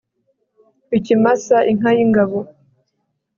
ikimasa inka y'ingabo